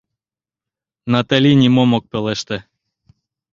Натали нимом ок пелеште.